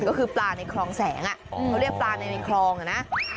ก็คือปลาในคลองแสงเขาเรียกปลาในคลองอ่ะนะ